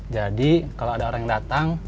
jadi kalau ada orang yang datang